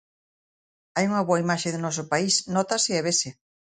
Hai unha boa imaxe do noso país, nótase e vese.